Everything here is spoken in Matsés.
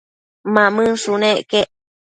Mamënshunec quec